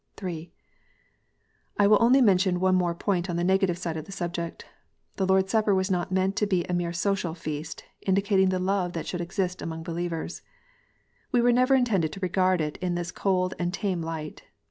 (3) I will only mention one more point on the negative side of the subject. The Lord s Supper was not meant to be a mere social feast, indicating the love that should exist among believers. We were never intended to regard it in this cold and tame light.